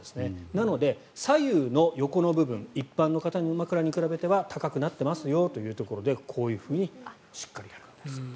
なので、左右の横の部分一般の方の枕に比べれば高くなっていますよというところでこういうふうにしっかりやるんですね。